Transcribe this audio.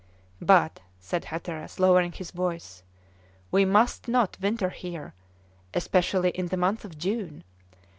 "But," said Hatteras, lowering his voice, "we must not winter here, especially in the month of June.